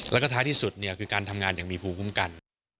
แล้วก็ท้ายที่สุดคือการทำงานอย่างมีภูมิคุ้มกัน